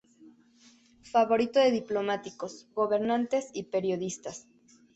Favorito de diplomáticos, gobernantes y periodistas.